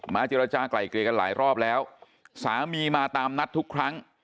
เจรจากลายเกลียกันหลายรอบแล้วสามีมาตามนัดทุกครั้ง